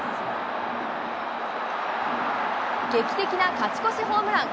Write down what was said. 劇的な勝ち越しホームラン。